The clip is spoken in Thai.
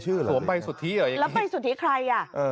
หลวนใบสุทธิหรอ